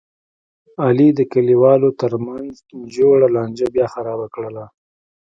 علي د کلیوالو ترمنځ جوړه لانجه بیا خرابه کړله.